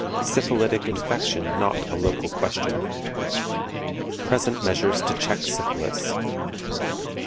Syphilitic Infection not a local Question. Present Measures to check Syphilis.